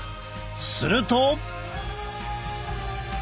すると。